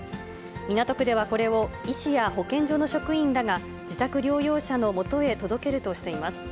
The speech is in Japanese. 港区ではこれを、医師や保健所の職員らが、自宅療養者のもとへ届けるとしています。